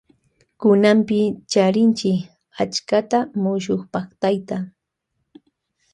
Kunanpi charinchi achka mushukpaktayta.